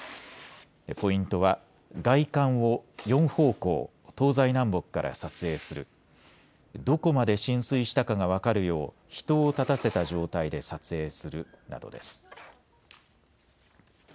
ポイントは外観を４方向、東西南北から撮影する、どこまで浸水したかが分かるよう人を立たせた状態で撮影するなどです。